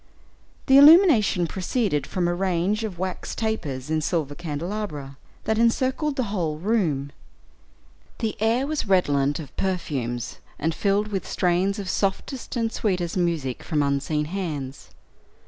The illumination proceeded from a range of wax tapers in silver candelabra, that encircled the whole room. The air was redolent of perfumes, and filled with strains of softest and sweetest music from unseen hands.